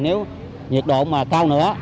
nếu nhiệt độ mà cao nữa